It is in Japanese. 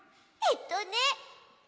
えっとね